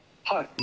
はい。